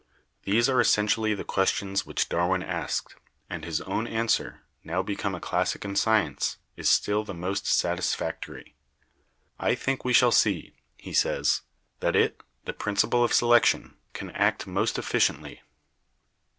These are essen tially the questions which Darwin asked, and his own answer, now become a classic in science, is still the most satisfactory. "I think we shall see," he says, "that it (the principle of selection) can act most efficiently.